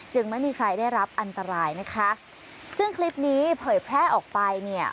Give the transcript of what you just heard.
ไม่มีใครได้รับอันตรายนะคะซึ่งคลิปนี้เผยแพร่ออกไปเนี่ย